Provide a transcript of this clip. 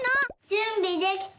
じゅんびできた。